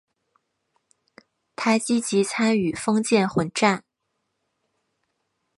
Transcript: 他积极参与封建混战。